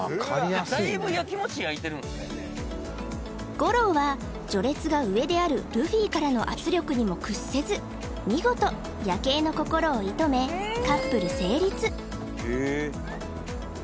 ゴローは序列が上であるルフィからの圧力にも屈せず見事ヤケイの心を射止めカップル成立